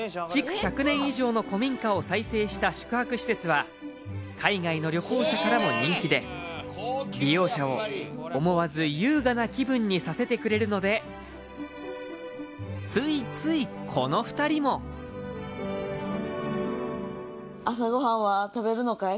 １００年以上の古民家を再生した宿泊施設は海外の旅行者からも人気で利用者を思わず優雅な気分にさせてくれるのでついついこの２人も朝ごはんは食べるのかい？